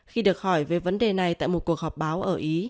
khi được hỏi về vấn đề này tại một cuộc họp báo ở ý